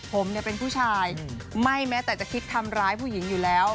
ผมเป็นผู้ชายไม่แม้แต่จะคิดทำร้ายผู้หญิงอยู่แล้ว